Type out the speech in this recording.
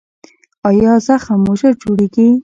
ایا زخم مو ژر جوړیږي؟